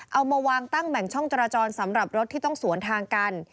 เอามาวางตั้งแบ่งช่องจราจรสำหรับรถที่ต้องสวนทางกัน